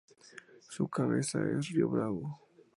Su cabecera es Río Bravo.